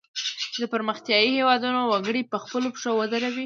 چې د پرمختیایي هیوادونو وګړي په خپلو پښو ودروي.